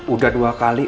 udah dua kali